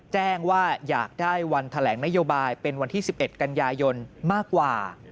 แจ้งว่าอยากได้วันแถลงนโยบายเป็นวันที่๑๑กันยายนมากกว่า